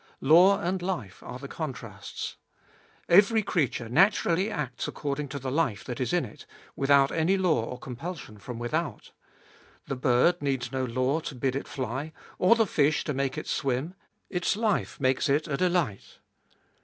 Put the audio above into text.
Law and life are the contrasts. Every creature naturally acts according to the life that is in it, without any law or compulsion from without. The bird needs no law to bid it fly, or the fish to make it swim : its life makes it a delight.